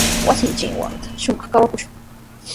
Wasinchiktraw shumaq kawakushun.